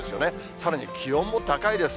さらに気温も高いです。